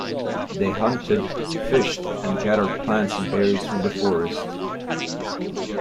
They hunted, fished and gathered plants and berries from the forest.